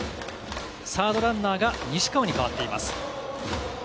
サードランナーが西川に代わっています。